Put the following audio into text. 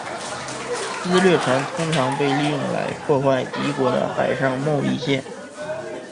私掠船通常被利用来破坏敌国的海上贸易线。